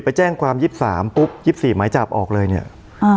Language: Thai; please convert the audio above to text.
ไปแจ้งความยี่สิบสามปุ๊บยี่สิบสี่หมายจับออกเลยเนี่ยอ่า